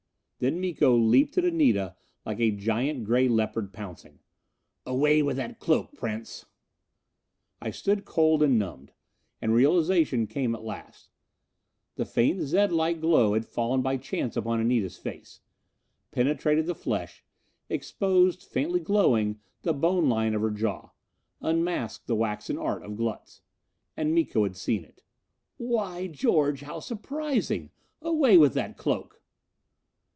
Then Miko leaped at Anita like giant gray leopard pouncing. "Away with that cloak, Prince!" I stood cold and numbed. And realization came at last. The faint zed light glow had fallen by chance upon Anita's face. Penetrated the flesh; exposed, faintly glowing, the bone line of her jaw. Unmasked the waxen art of Glutz. And Miko had seen it. "Why George, how surprising! Away with that cloak!"